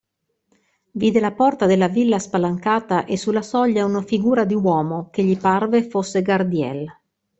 Vide la porta della villa spalancata e sulla soglia una figura di uomo, che gli parve fosse Gardiel.